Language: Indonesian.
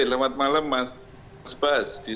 selamat malam mas bas